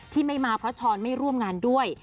ที่ไม่มาเพราะช้อนไม่ร่วมงานด้วย